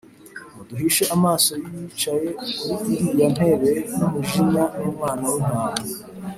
muduhishe amaso y’Iyicaye kuri iriya ntebe n’umujinya w’Umwana w’Intama,